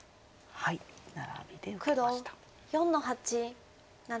ナラビで受けました。